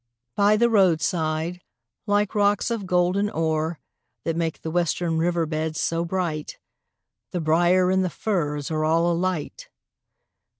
By the roadside, like rocks of golden ore That make the western river beds so bright, The briar and the furze are all alight!